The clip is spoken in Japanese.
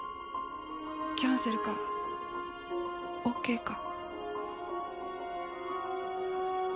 キャンセルかＯＫか。